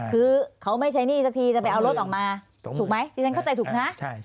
คือเขาไม่ใช้หนี้สักทีจะไปเอารถออกมาถูกไหมที่ฉันเข้าใจถูกนะ